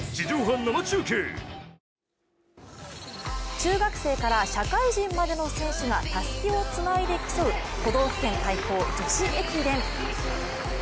中学生から社会人までの選手がたすきをつないで競う都道府県対抗女子駅伝。